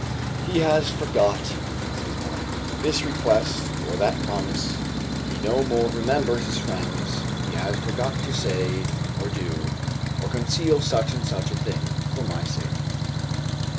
"He has forgot," says one, "this request, or that promise; he no more remembers his friends; he has forgot to say or do, or conceal such and such a thing, for my sake."